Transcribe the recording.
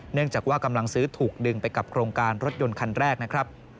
เนื่องจากว่ากำลังซื้อถูกดึงไปกับโครงการรถยนต์คันแรกนะครับ